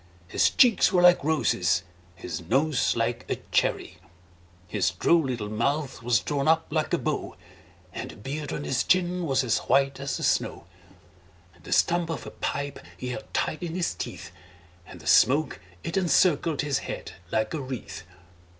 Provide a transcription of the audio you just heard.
His cheeks were like roses, his nose like a cherry; His droll little mouth was drawn up like a bow, And the beard on his chin was as white as the snow; The stump of a pipe he held tight in his teeth, And the smoke, it encircled his head like a wreath.